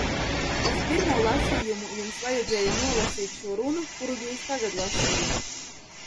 Uz pirmo lasījumu jums vajadzēja nolasīt šo runu, kuru jūs tagad lasījāt!